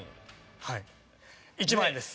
はい１万円です。